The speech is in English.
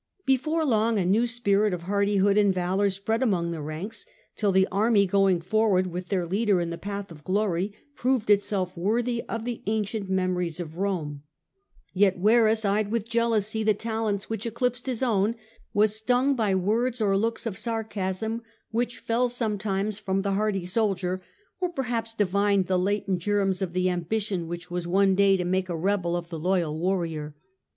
Before long a new spirit of hardihood and valour spread among the ranks, till the army, going forward with their leader in the path of glory, proved itself worthy of the ancient memories of Rome. Yet Verus eyed with jealousy the talents which eclipsed his own, was stung by words or looks of sarcasm which fell sometimes from the hardy soldier, or perhaps divined the latent germs of the ambition which was one day to make a rebel of the loyal warrior.